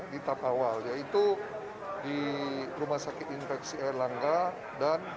di tap awal yaitu di rumah sakit infeksi air langga dan harga